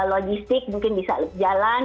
logistik mungkin bisa jalan